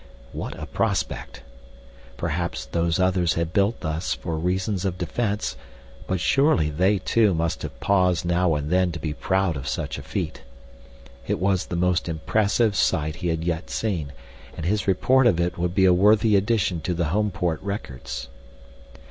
What a prospect! Perhaps Those Others had built thus for reasons of defense, but surely they, too, must have paused now and then to be proud of such a feat. It was the most impressive site he had yet seen, and his report of it would be a worthy addition to the Homeport records.